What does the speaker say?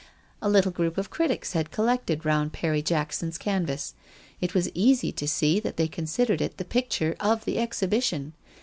A little group of critics had collected round Perry Jackson's canvas. It was easy to see that they considered it the picture of the exhibition.